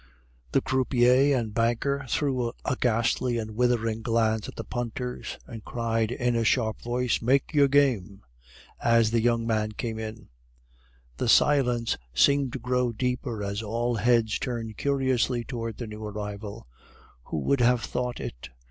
The croupier and banker threw a ghastly and withering glance at the punters, and cried, in a sharp voice, "Make your game!" as the young man came in. The silence seemed to grow deeper as all heads turned curiously towards the new arrival. Who would have thought it?